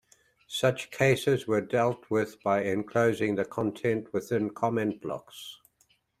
Such cases were dealt with by enclosing the content within comment blocks.